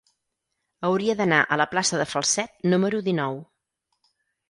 Hauria d'anar a la plaça de Falset número dinou.